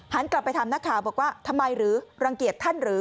กลับไปถามนักข่าวบอกว่าทำไมหรือรังเกียจท่านหรือ